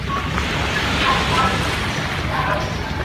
特征标理论是对有限简单群分类的一个有重要的工具。